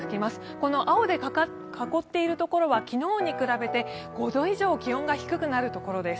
この青で囲っているところは昨日に比べて５度以上、気温が低くなる所です。